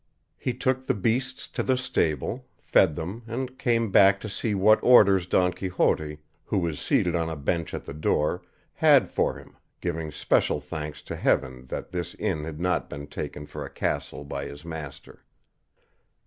He took the beasts to the stable, fed them, and came back to see what orders Don Quixote, who was seated on a bench at the door, had for him, giving special thanks to heaven that this inn had not been taken for a castle by his master.